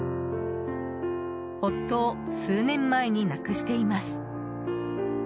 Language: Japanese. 夫を数年前に亡くしています。